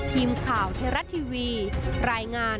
พิมพ์ข่าวเทราะทีวีรายงาน